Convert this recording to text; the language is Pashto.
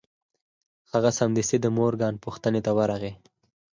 هغه سمدستي د مورګان پوښتنې ته ورغی